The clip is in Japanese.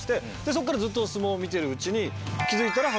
そっからずっと相撲を見てるうちに。